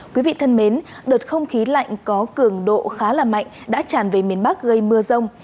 quý vị thân mến đợt không khí lạnh có cường độ khá là mạnh đã tràn về miền bắc gây mưa rông